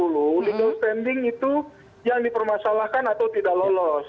legal standing itu yang dipermasalahkan atau tidak lolos